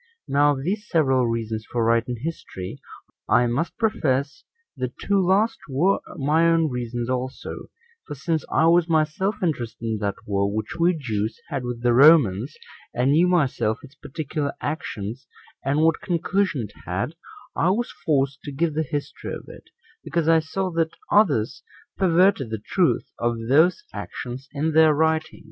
Now of these several reasons for writing history, I must profess the two last were my own reasons also; for since I was myself interested in that war which we Jews had with the Romans, and knew myself its particular actions, and what conclusion it had, I was forced to give the history of it, because I saw that others perverted the truth of those actions in their writings.